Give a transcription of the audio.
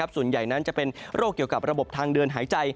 ส่วนใหญ่นั้นจะเป็นโรคเกี่ยวกับระบบทางเดินหายใจ